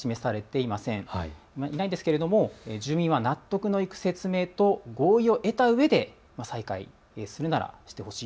いないんですけれども住民は納得のいく説明と合意を得たうえで再開するならしてほしい。